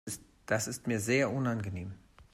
Das ist mir sehr unangenehm.